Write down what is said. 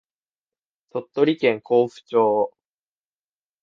鳥取県江府町